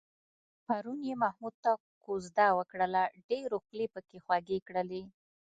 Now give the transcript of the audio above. پرون یې محمود ته کوزده وکړله، ډېرو خولې پکې خوږې کړلې.